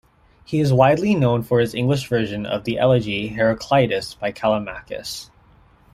He is widely known for his English version of the elegy "Heraclitus" by Callimachus.